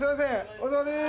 お疲れさまです